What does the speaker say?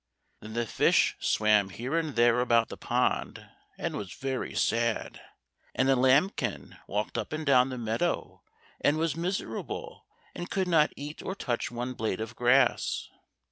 Then the fish swam here and there about the pond and was very sad, and the lambkin walked up and down the meadow, and was miserable, and could not eat or touch one blade of grass.